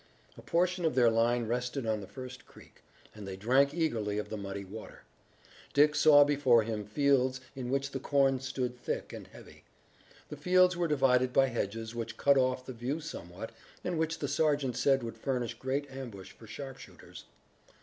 A portion of their line rested on the first creek, and they drank eagerly of the muddy water. Dick saw before him fields in which the corn stood thick and heavy. The fields were divided by hedges which cut off the view somewhat and which the sergeant said would furnish great ambush for sharpshooters.